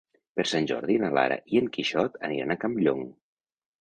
Per Sant Jordi na Lara i en Quixot aniran a Campllong.